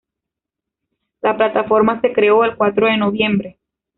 La plataforma se creó el cuatro de Noviembre